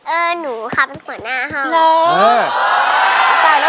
หนูค่ะเป็นหัวหน้าห้อง